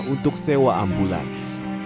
untuk sewa ambulans